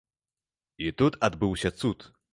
І тут адбыўся цуд.